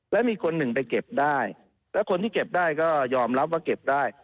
แล้วมีคนหนึ่งไปเก็บได้และคนที่เก็บได้ก็ยอมรับว่าเก็บได้